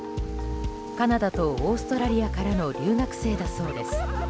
カナダとオーストラリアからの留学生だそうです。